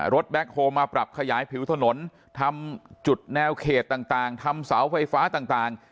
แบ็คโฮลมาปรับขยายผิวถนนทำจุดแนวเขตต่างทำเสาไฟฟ้าต่าง